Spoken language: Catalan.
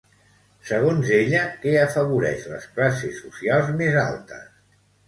Segons ella, què afavoreix les classes socials més altes?